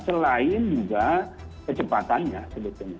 selain juga kecepatannya sebetulnya